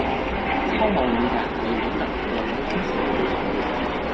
糙毛龙胆为龙胆科龙胆属的植物。